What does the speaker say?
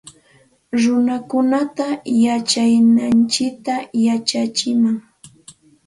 Runakunata yachayninchikta yachachinam